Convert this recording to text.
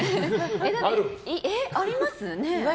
だって、あります？